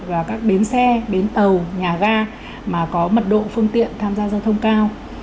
và các bến xe bến tàu nhà ga mà có mật độ phương tiện tham gia giao thông cao